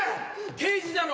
刑事だろ！